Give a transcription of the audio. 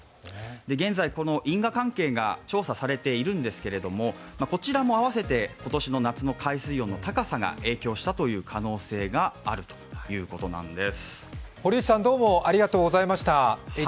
現在、因果関係が調査されているんですけれども、こちらも併せて今年の夏の海水温の高さが影響した可能性があるということなんです。